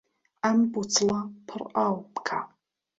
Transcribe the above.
ئەم بوتڵە پڕ ئاو بکە.